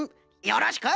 よろしく！